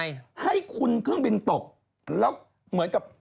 ถ้าสมมติให้คุณเครื่องบินตกแล้วเหมือนกับ